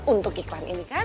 untuk iklan ini kan